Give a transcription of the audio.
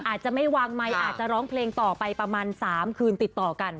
อาจจะไม่วางไมค์อาจจะร้องเพลงต่อไปประมาณ๓คืนติดต่อกัน